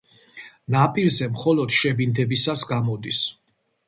ნაპირზე მხოლოდ შებინდებისას გამოდის.